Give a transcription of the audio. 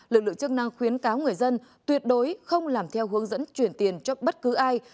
lực lượng chức năng khuyến cáo người dân tuyệt đối không làm theo hướng dẫn chuyển tiền cho bất cứ ai